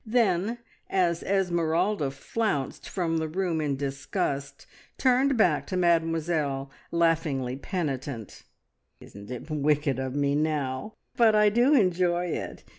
Then, as Esmeralda flounced from the room in disgust, turned back to Mademoiselle, laughingly penitent. "Isn't it wicked of me now, but I do enjoy it!